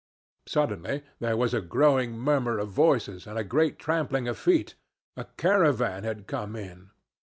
"Suddenly there was a growing murmur of voices and a great tramping of feet. A caravan had come in.